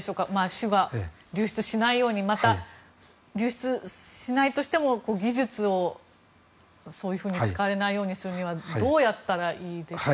種が流出しないようにまた、流出しないとしても技術をそういうふうに使われないようにするにはどうやったらいいでしょうか。